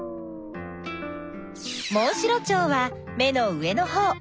モンシロチョウは目の上のほう。